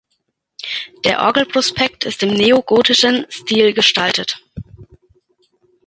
Der Orgelprospekt ist im neogotischen Stil gestaltet.